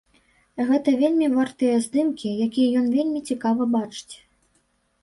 Гэта вельмі вартыя здымкі, якія ён вельмі цікава бачыць.